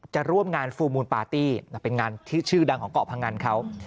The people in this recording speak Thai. จะร่วมงานฟูลมูลปาร์ตี้เป็นงานที่ชื่อดังของเกาะพังอันเขา